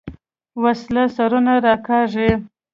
وسله سرونه راکاږي